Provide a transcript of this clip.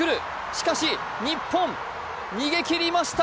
しかし、日本、逃げ切りました。